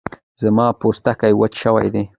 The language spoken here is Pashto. زما پوستکی وچ شوی دی